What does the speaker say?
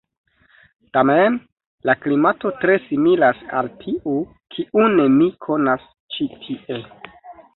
Tamen la klimato tre similas al tiu, kiun mi konas ĉi tie.